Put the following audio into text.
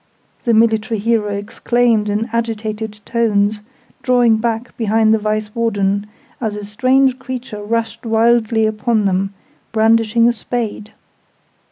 the Military Hero exclaimed in agitated tones, drawing back behind the Vice Warden, as a strange creature rushed wildly upon them, brandishing a spade.